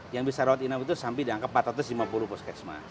yang bisa rawat inap itu sampai diangkat empat ratus lima puluh puskesmas